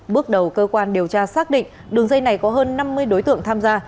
bước đầu cơ quan điều tra xác định đường dây này có hơn năm mươi đối tượng tham gia